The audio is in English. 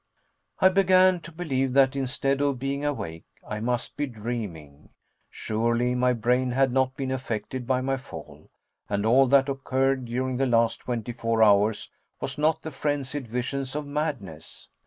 I began to believe that, instead of being awake, I must be dreaming. Surely my brain had not been affected by my fall, and all that occurred during the last twenty four hours was not the frenzied visions of madness?